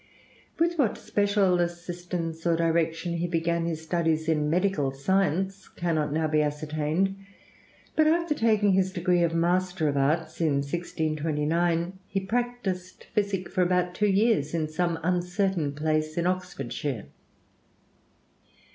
With what special assistance or direction he began his studies in medical science, cannot now be ascertained; but after taking his degree of master of arts in 1629, he practiced physic for about two years in some uncertain place in Oxfordshire.